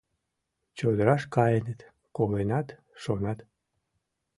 Чодыраш каеныт, коленат, шонат.